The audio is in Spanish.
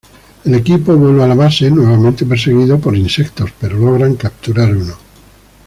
El equipo vuelve a la base, nuevamente perseguidos por insectos, pero logran capturar uno.